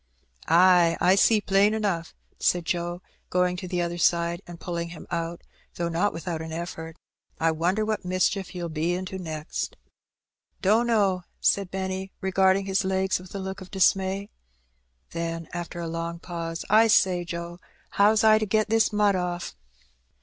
" Ay, I see plain enough," said Joe, going to the other side, and pulling him out, though not without an effort. "I wonder what mischief you'll be into next?" "Dunno,'^ said Benny, regarding his legs with a look of dismay. Then, after a long pause, "1 say, Joe, how's I to get this mud off?"